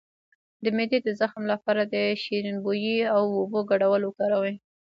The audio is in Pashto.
د معدې د زخم لپاره د شیرین بویې او اوبو ګډول وکاروئ